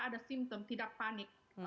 kalau merasa ada simptom tidak panik